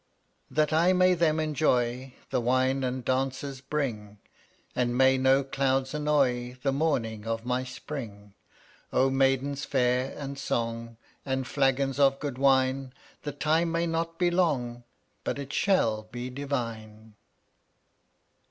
142 That I may them enjoy, The wine and dancers bring, And may no clouds annoy The morning of my spring. O maidens fair, and song, And flagons of good wine! The time may not be long But it shall be divine.